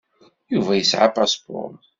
Yuba yesɛa apaspuṛ.